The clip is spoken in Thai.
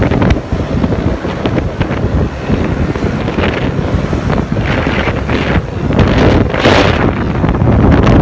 เมื่อเวลาเกิดขึ้นมันกลายเป้าหมายเป้าหมาย